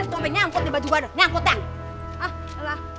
sombet nyangkut di baju gue dong nyangkut ya